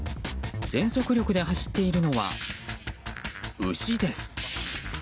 全速力で走っているのは牛です。